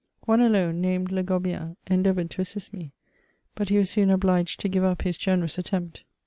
One alone, named Le Gobbien, endeavoured to assist me, but he was soon obliged to give up his generous' attempt.